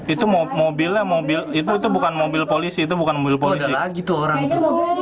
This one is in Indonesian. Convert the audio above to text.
itu mobilnya mobil itu bukan mobil polisi itu bukan mobil polisi lagi tuh orang kejar